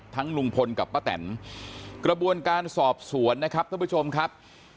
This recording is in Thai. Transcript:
ลุงพลกับป้าแตนกระบวนการสอบสวนนะครับท่านผู้ชมครับ